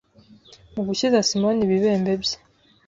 Mu gukiza Simoni ibibembe bye,